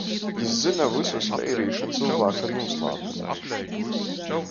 Jis zyna vysus veirīša cylvāka nūslāpumus.